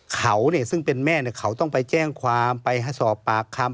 เขาซึ่งเป็นแม่เขาต้องไปแจ้งความไปสอบปากคำ